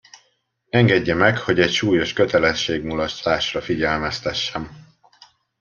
Engedje meg, hogy egy súlyos kötelességmulasztásra figyelmeztessem!